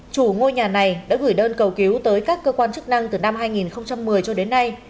chủ ngôi nhà này đã gửi đơn cầu cứu tới các cơ quan chức năng từ năm hai nghìn một mươi cho đến nay